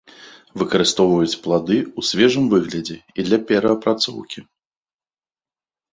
Выкарыстоўваюць плады ў свежым выглядзе і для перапрацоўкі.